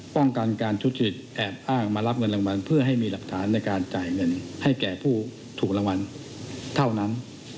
ป้องกันการทุจริตแอบอ้างมารับเงินรางวัลเพื่อให้มีหลักฐานในการจ่ายเงินให้แก่ผู้ถูกรางวัลเท่านั้น